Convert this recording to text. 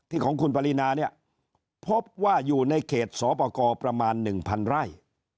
ที่ของคุณปรินาพบว่าอยู่ในเขตสปกประมาณหนึ่งพันไร่